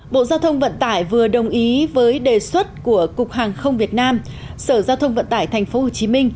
bộ giao thông vận tải vừa đồng ý với đề xuất của cục hàng không việt nam sở giao thông vận tải tp hcm